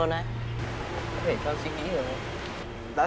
có thể tao suy nghĩ được rồi